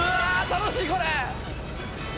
楽しいこれ。